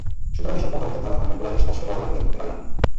সুতরাং এসব মতামতের দ্বারা আমরা কুরআনের স্পষ্ট বর্ণনাকে ত্যাগ করতে পারি না।